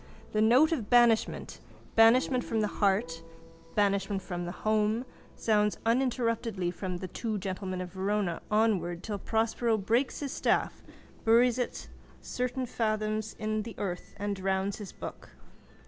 The note of banishment, banishment from the heart, banishment from home, sounds uninterruptedly from The Two Gentlemen of Verona onward till Prospero breaks his staff, buries it certain fathoms in the earth and drowns his book.